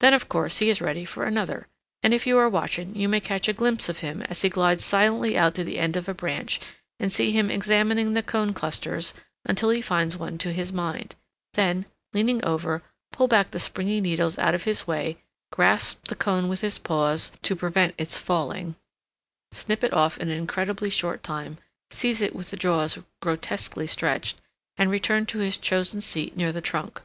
Then of course he is ready for another, and if you are watching you may catch a glimpse of him as he glides silently out to the end of a branch and see him examining the cone clusters until he finds one to his mind; then, leaning over, pull back the springy needles out of his way, grasp the cone with his paws to prevent its falling, snip it off in an incredibly short time, seize it with jaws grotesquely stretched, and return to his chosen seat near the trunk.